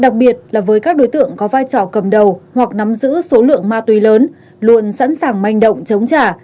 đặc biệt là với các đối tượng có vai trò cầm đầu hoặc nắm giữ số lượng ma túy lớn luôn sẵn sàng manh động chống trả